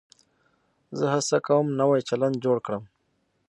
زه هڅه کوم نوی چلند جوړ کړم.